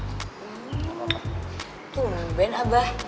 tunggu ben abah